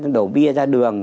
đổ bia ra đường